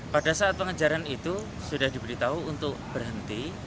pada saat pengejaran itu sudah diberitahu untuk berhenti